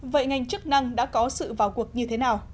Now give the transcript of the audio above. vậy ngành chức năng đã có sự vào cuộc như thế nào